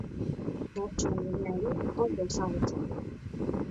Bertsoen legea ere ondo ezagutzen du.